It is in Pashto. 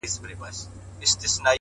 تر دې نو بله ښه غزله کتابي چیري ده ـ